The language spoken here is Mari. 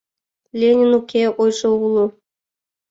Ленин уке — ойжо уло.